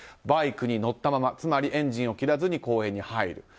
バイクに乗ったままつまり、エンジンを切らずに公園に入る。